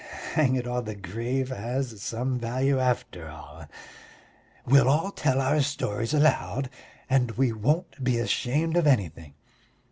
Hang it all, the grave has some value after all! We'll all tell our stories aloud, and we won't be ashamed of anything.